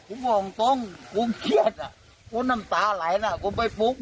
กูบอกตรงกูเครียดอ่ะกูน้ำตาไหลน่ะกูไปปุ๊บหมู่กูอ่ะ